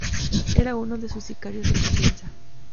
Era uno de sus sicarios de confianza.